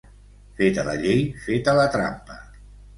Feta la llei, feta la trampa.